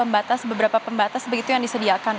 batas beberapa pembatas begitu yang disediakan